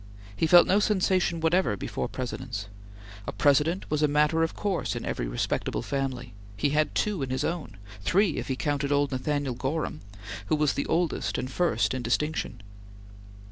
He felt no sensation whatever before Presidents. A President was a matter of course in every respectable family; he had two in his own; three, if he counted old Nathaniel Gorham, who, was the oldest and first in distinction.